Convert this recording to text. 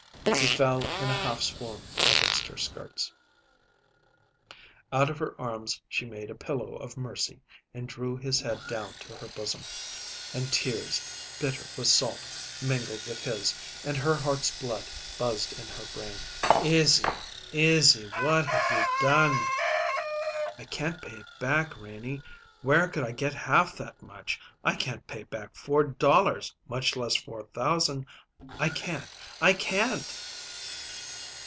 He fell in a half swoon against her skirts. Out of her arms she made a pillow of mercy and drew his head down to her bosom; and tears, bitter with salt, mingled with his, and her heart's blood buzzed in her brain. "Izzy, Izzy! What have you done?" "I can't pay it back, Renie. Where could I get half that much? I can't pay back four dollars, much less four thousand. I can't! I can't!"